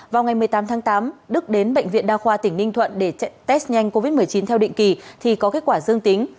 vào ngày một mươi tám tháng tám đức đến bệnh viện đa khoa tỉnh ninh thuận để test nhanh covid một mươi chín theo định kỳ thì có kết quả dương tính